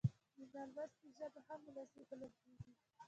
د نالوستي ژبه هم وولسي بلل کېږي.